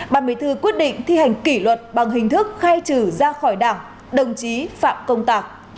ban bí thư quyết định thi hành kỷ luật bằng hình thức khai trừ ra khỏi đảng đồng chí phạm công tạc